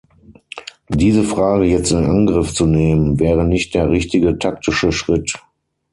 Diese Frage jetzt in Angriff zu nehmen wäre nicht der richtige taktische Schritt.